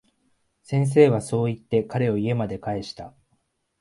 先生はそう言って、彼を家まで帰した。